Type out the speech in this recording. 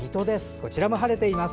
こちらも晴れています。